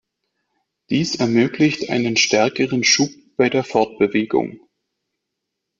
Dies ermöglicht einen stärkeren Schub bei der Fortbewegung.